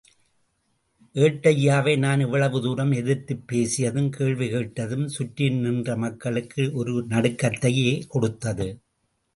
ஏட்டய்யாவை நான் இவ்வளவு தூரம் எதிர்த்துப் பேசியதும் கேள்வி கேட்டதும் சுற்றி நின்ற் மக்களுக்கு ஒரு நடுக்கத்தையே கொடுத்தது.